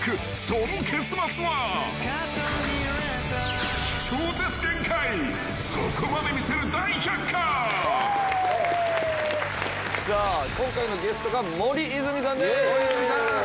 その結末は］さあ今回のゲストが森泉さんです。